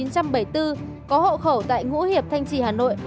có hộ khẩu tại ngũ hiệp thanh trì hà nội